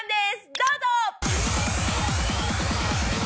どうぞ！